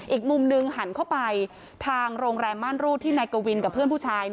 อีกมุมหนึ่งหันเข้าไปทางโรงแรมม่านรูดที่นายกวินกับเพื่อนผู้ชาย